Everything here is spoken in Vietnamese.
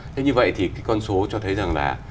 thế như vậy thì cái con số cho thấy rằng là